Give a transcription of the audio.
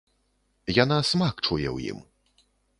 Яна смак чуе ў ім.